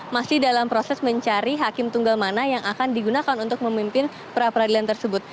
masih dalam proses mencari hakim tunggal mana yang akan digunakan untuk memimpin peradilan tersebut